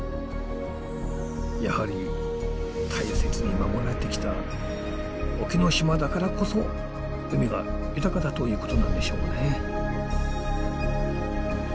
やはり大切に守られてきた沖ノ島だからこそ海が豊かだということなんでしょうね。